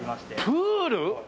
プール？